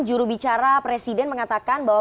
jurubicara presiden mengatakan bahwa